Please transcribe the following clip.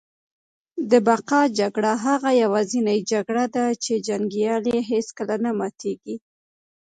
د بقا جګړه هغه یوازینۍ جګړه ده چي جنګیالی یې هیڅکله نه ماتیږي